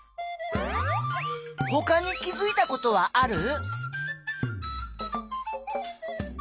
ほかに気づいたことはある？